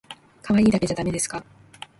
かわいいだけじゃだめですか